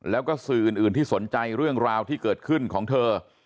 แล้วก็สื่ออื่นที่สนใจเรื่องราวที่เกิดขึ้นของเธอ